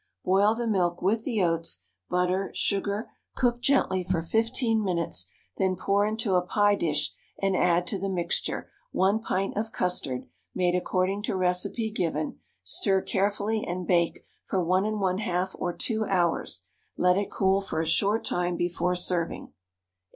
Boil the milk with the oats, butter, sugar, cook gently for 15 minutes, then pour into a pie dish and add to the mixture 1 pint of custard made according to recipe given, stir carefully and bake for 1 1/2 or 2 hours; let it cool for a short time before serving.